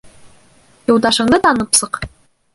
Юлдашыңды танып сыҡ.